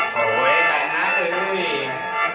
โหยกันน้าเกก